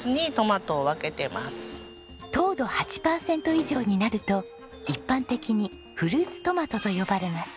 糖度８パーセント以上になると一般的にフルーツトマトと呼ばれます。